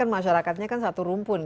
masyarakatnya kan satu rumpun